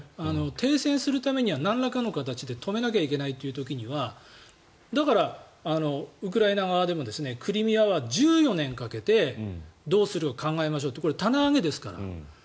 停戦するためにはなんらかの形で止めなきゃいけないという時にはだから、ウクライナ側でもクリミアは１４年かけてどうするか考えましょうってこれは棚上げですから。